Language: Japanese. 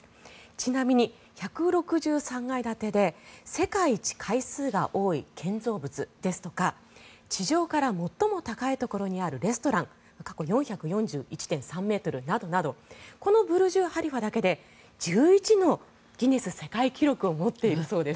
ちなみに１６３階建てで世界一階数が多い建造物ですとか地上から最も高いところにあるレストラン４４１．３ｍなどなどこのブルジュ・ハリファだけで１１の世界ギネス記録を持っているそうです。